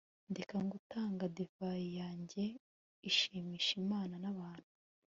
ndeke gutanga divayi yanjye ishimisha imana n'abantu